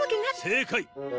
正解！